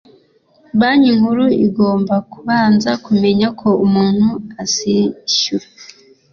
Banki Nkuru igomba kubanza kumenya ko umuntu azishyura